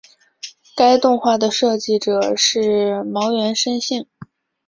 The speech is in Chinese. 该动画的设计者是茅原伸幸。